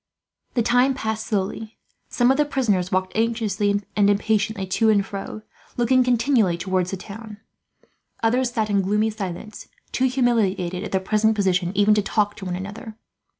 The time passed slowly. Some of the prisoners walked anxiously and impatiently to and fro, looking continually towards the town. Others sat in gloomy silence, too humiliated at their present position even to talk to one another.